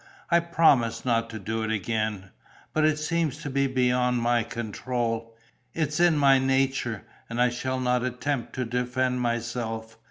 I promised not to do it again; but it seems to be beyond my control. It's in my nature; and I shall not attempt to defend myself.